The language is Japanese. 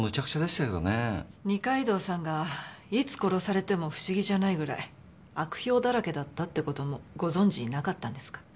二階堂さんがいつ殺されても不思議じゃないぐらい悪評だらけだったって事もご存じなかったんですか？